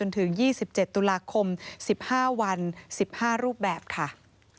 เราจะทำดีตอนที่พ่อสอนโดยตลอด